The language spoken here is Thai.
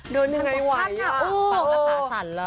เดินยังไงไหวอ่ะปากละตาสั่นเหรอ